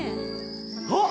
あっ！